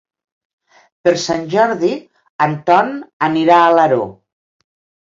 Per Sant Jordi en Ton anirà a Alaró.